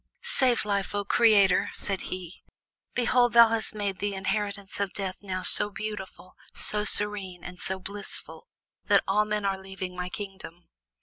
"Save Life, O Creator!" said he. "Behold, thou hast made the inheritance of Death now so beautiful, so serene, and so blissful that all men are leaving my kingdom."